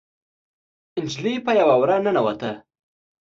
نجلۍ په يوه وره ننوته.